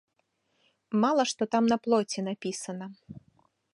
Мала што там на плоце напісана.